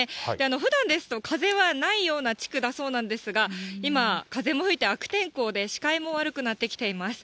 ふだんですと、風はないような地区だそうなんですが、今、風も吹いて、悪天候で、視界も悪くなってきています。